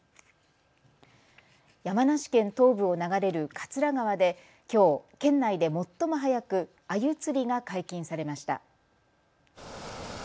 山梨県東部を流れる桂川できょう県内で最も早くあゆ釣りが解禁されました。